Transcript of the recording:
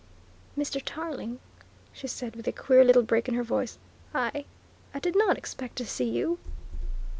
"Mr. Tarling," she said with a queer little break in her voice, "I I did not expect to see you."